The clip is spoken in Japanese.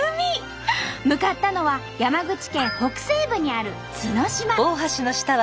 向かったのは山口県北西部にある角島。